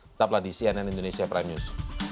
tetaplah di cnn indonesia prime news